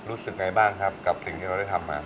รู้สึกไงบ้างครับกับสิ่งที่เราได้ทำมา